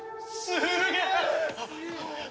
すげえ！